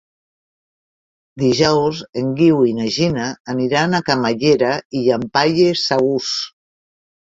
Dijous en Guiu i na Gina aniran a Camallera i Llampaies Saus.